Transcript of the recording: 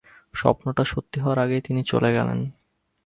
স্বপ্নটা সত্যি হওয়ার আগেই তিনি চলে গেলেন।